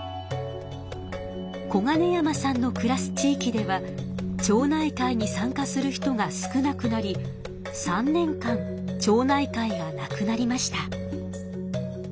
小金山さんのくらす地域では町内会に参加する人が少なくなり３年間町内会がなくなりました。